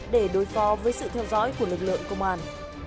để đối phó với sự theo dõi của lực lượng công an